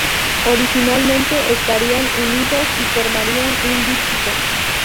Originalmente estarían unidos y formarían un díptico.